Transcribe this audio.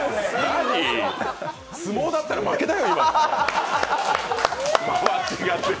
相撲だったら負けだよ！